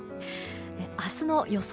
明日の予想